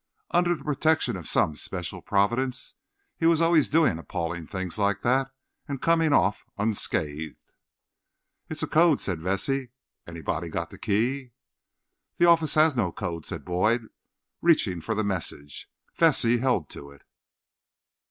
Under the protection of some special Providence, he was always doing appalling things like that, and coming, off unscathed. "It's a code," said Vesey. "Anybody got the key?" "The office has no code," said Boyd, reaching for the message. Vesey held to it.